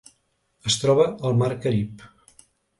Es troba al Mar Carib: